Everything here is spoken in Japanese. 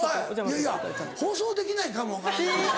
いやいや放送できないかも分からない。